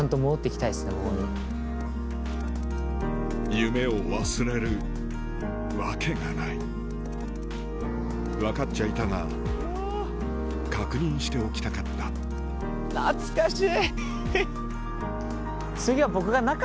夢を忘れるわけがない分かっちゃいたが確認しておきたかった懐かしい！